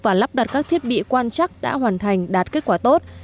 và lắp đặt các thiết bị quan chắc đã hoàn thành đạt kết quả tốt